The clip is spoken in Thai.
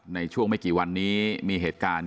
ในช่วงไม่กี่วันนี้มีเหตุการณ์